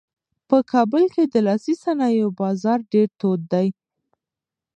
په کابل کې د لاسي صنایعو بازار ډېر تود دی.